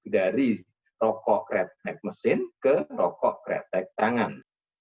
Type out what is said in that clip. dari rokok kretek mesin ke rokok kretek tangan